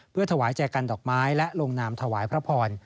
เพื่อถวายแจกันดอกไม้และลงนามถวายพระพร